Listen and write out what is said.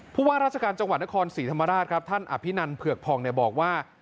ผู้ว่าราชการจังหวัดนครศรีธรรมราชครับท่านอภินันเผือกผ่องบอกว่า